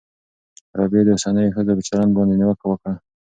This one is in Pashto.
رابعې د اوسنیو ښځو په چلند باندې نیوکه وکړه.